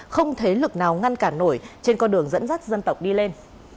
không thế lực nào ngăn cản nổi trên con đường dẫn dắt dân tộc đi lên